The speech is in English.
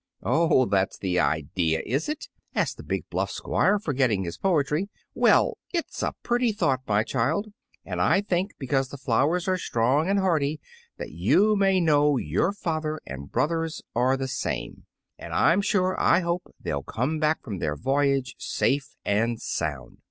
"Oh, that's the idea, is it?" asked the big bluff Squire, forgetting his poetry. "Well, it's a pretty thought, my child, and I think because the flowers are strong and hearty that you may know your father and brothers are the same; and I'm sure I hope they'll come back from their voyage safe and sound.